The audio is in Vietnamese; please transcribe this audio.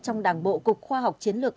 trong đảng bộ cục khoa học chiến lược